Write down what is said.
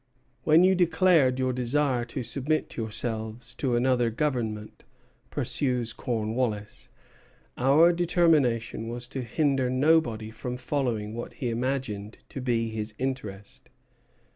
"When you declared your desire to submit yourselves to another Government," pursues Cornwallis, "our determination was to hinder nobody from following what he imagined to be his interest.